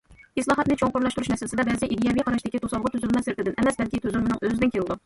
ئىسلاھاتنى چوڭقۇرلاشتۇرۇش مەسىلىسىدە، بەزى ئىدىيەۋى قاراشتىكى توسالغۇ تۈزۈلمە سىرتىدىن ئەمەس، بەلكى تۈزۈلمىنىڭ ئۆزىدىن كېلىدۇ.